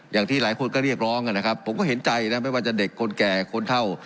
อย่างที่หลายคนก็เรียกร้องนะครับผมก็เห็นใจนะไม่ว่าจะเด็กคนแก่คนเท่า